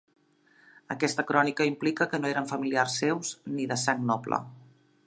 Aquesta crònica implica que no eren familiars seus ni de sang noble.